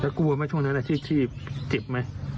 แล้วกลัวไหมช่วงนั้นที่จิบไหม